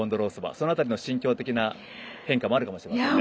その辺りの心境的な変化もあるかもしれませんね。